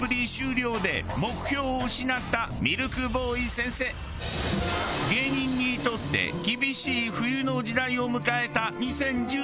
突然の芸人にとって厳しい冬の時代を迎えた２０１１年。